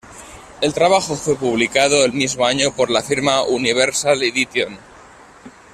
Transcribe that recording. El trabajo fue publicado el mismo año por la Firma Universal Edition.